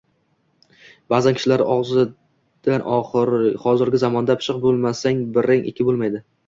Ba`zan kishilar og`zidan Hozirgi zamonda pishiq bo`lmasang, biring ikki bo`lmaydi